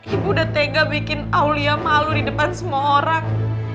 ibu udah tega bikin aulia malu di depan semua orang